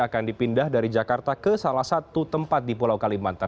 akan dipindah dari jakarta ke salah satu tempat di pulau kalimantan